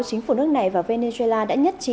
chính phủ nước này và venezuela đã nhất trí